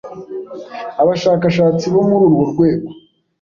abashakashatsi bo muri urwo rwego